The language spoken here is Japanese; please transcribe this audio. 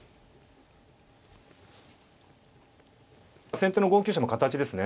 先手の５九飛車も形ですね。